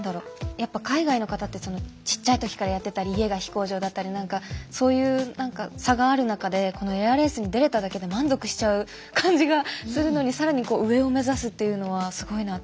やっぱ海外の方ってちっちゃい時からやってたり家が飛行場だったりなんかそういう差がある中でこのエアレースに出れただけで満足しちゃう感じがするのに更に上を目指すっていうのはすごいなと思いました。